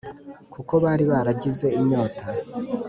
kuko bari baragize inyota